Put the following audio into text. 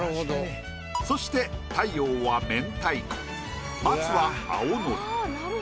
そして太陽は明太子松は青のり。